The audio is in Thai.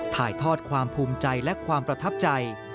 ถ่ายทอดความภูมิใจและความประทับใจ